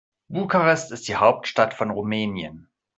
Bukarest ist die Hauptstadt von Rumänien.